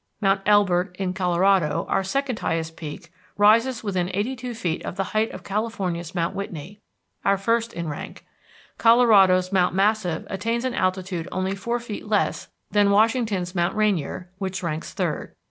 Mount Elbert, in Colorado, our second highest peak, rises within eighty two feet of the height of California's Mount Whitney, our first in rank; Colorado's Mount Massive attains an altitude only four feet less than Washington's Mount Rainier, which ranks third.